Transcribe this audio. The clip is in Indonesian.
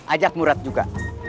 ajak murad juga